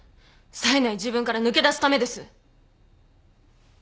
さえない自分から抜け出すためです！